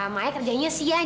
maya kerjanya siang